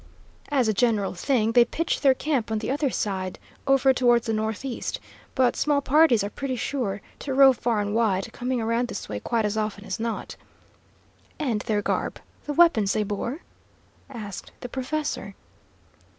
"As a general thing they pitch their camp on the other side, over towards the northeast; but small parties are pretty sure to rove far and wide, coming around this way quite as often as not." "And their garb, the weapons they bore?" asked the professor.